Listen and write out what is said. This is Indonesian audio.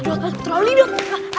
aduh terlalu hidup